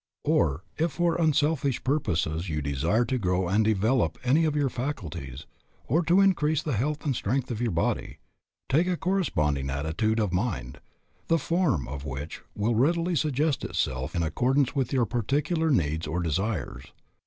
Or, if for unselfish purposes you desire to grow and develop any of your faculties, or to increase the health and strength of your body, take a corresponding attitude of mind, the form of which will readily suggest itself in accordance with your particular needs or desires.